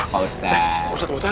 pak ustadz mutar